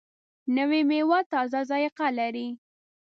نوې میوه تازه ذایقه لري